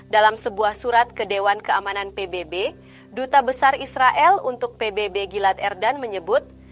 dalam sebuah surat ke dewan keamanan pbb duta besar israel untuk pbb gilat erdan menyebut